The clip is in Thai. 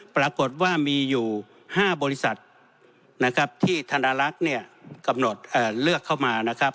ปรากฏว่ามีอยู่๕บริษัทนะครับที่ธนลักษณ์เนี่ยกำหนดเลือกเข้ามานะครับ